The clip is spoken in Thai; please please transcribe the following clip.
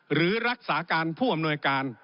หรือรักษาการผู้อำนวยการ